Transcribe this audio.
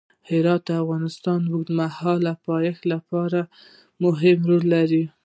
هرات د افغانستان د اوږدمهاله پایښت لپاره مهم رول لري.